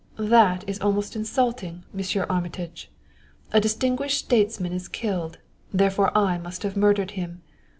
"That is almost insulting, Monsieur Armitage. A distinguished statesman is killed therefore I must have murdered him.